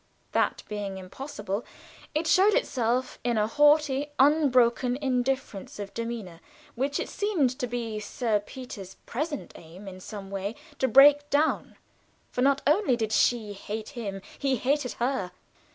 That being impossible, it showed itself in a haughty, unbroken indifference of demeanor which it seemed to be Sir Peter's present aim in some way to break down, for not only did she hate him he hated her.